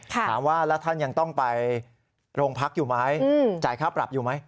ถามว่าแล้วท่านยังต้องไปโรงพักอยู่ไหมจ่ายค่าปรับอยู่ไหม